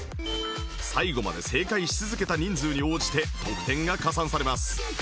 最後まで正解し続けた人数に応じて得点が加算されます